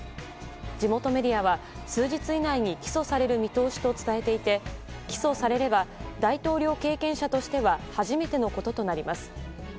地元メディアは、数日以内に起訴される見通しと伝えていて起訴されれば大統領経験者としては初めてのこととなります。